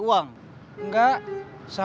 uang nggak sama gan anti judi tapi pasti ada